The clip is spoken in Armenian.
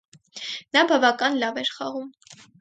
Նա բավական լավ էր խաղում։